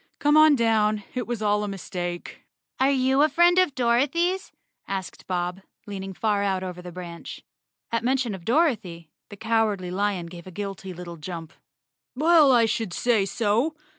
Come on down. It was all a mistake." "Are you a friend of Dorothy's?" asked Bob, leaning far out over the branch. At mention of Dorothy, the Cowardly Lion gave a guilty little jump. "Well, I should say so.